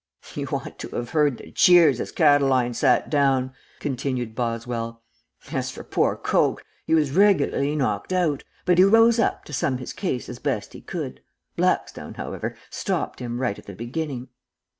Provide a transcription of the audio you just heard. "You ought to have heard the cheers as Catiline sat down," continued Boswell. "As for poor Coke, he was regularly knocked out, but he rose up to sum up his case as best he could. Blackstone, however, stopped him right at the beginning.